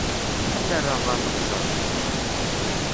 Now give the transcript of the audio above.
Ad t-rreɣ ɣer leqjer.